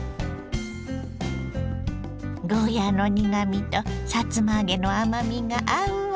ゴーヤーの苦みとさつま揚げの甘みが合うわ。